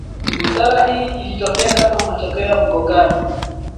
busara Hii ilitokea kama matokeo ya mgongano